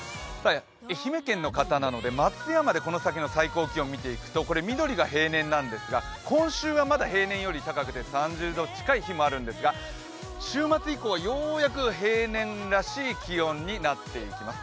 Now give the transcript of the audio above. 愛媛県の方なので松山でこの先の最高気温を見ていくと緑が平年なんですが、今週はまだ平年より高くて３０度近い日もあるんですが週末以降はようやく平年らしい気温になっていきます。